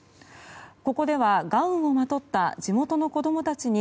ここでは、ガウンをまとった地元の子供たちに